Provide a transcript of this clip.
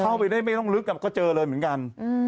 เข้าไปได้ไม่ต้องลึกก็เจอเลยเหมือนกัน